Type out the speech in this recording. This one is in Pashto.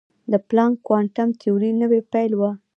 د پلانک کوانټم تیوري نوې پیل وه.